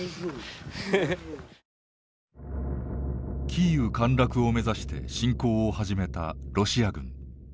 キーウ陥落を目指して侵攻を始めたロシア軍。